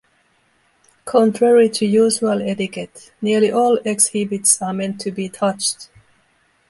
Contrary to usual etiquette, nearly all exhibits are meant to be touched.